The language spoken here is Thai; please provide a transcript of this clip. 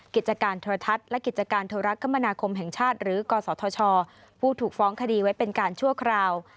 กิจการโทรทัศน์และกิจการโทรคมนาคมแห่งชาติหรือกศธชผู้ถูกฟ้องคดีไว้เป็นการชั่วคราว